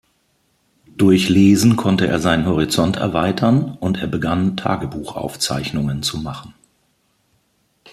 Durch Lesen konnte er seinen Horizont erweitern, und er begann Tagebuchaufzeichnungen zu machen.